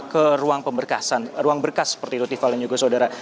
ke ruang pemberkasan ruang berkas seperti itu tival dan juga soda